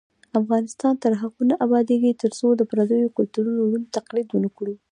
افغانستان تر هغو نه ابادیږي، ترڅو له پردیو کلتورونو ړوند تقلید ونکړو.